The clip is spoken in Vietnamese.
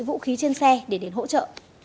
vũ khí trên xe để đến hỗ trợ